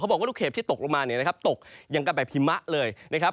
บอกว่าลูกเห็บที่ตกลงมาเนี่ยนะครับตกอย่างกันแบบหิมะเลยนะครับ